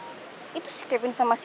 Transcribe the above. kok itu si kevin sama si astri